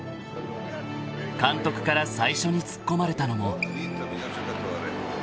［監督から最初にツッコまれたのも］